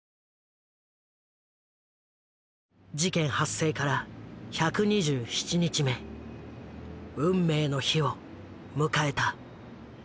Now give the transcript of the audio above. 事件発生から１２７日目運命の日を迎えた。